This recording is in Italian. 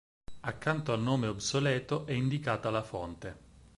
Accanto al nome obsoleto è indicata la fonte.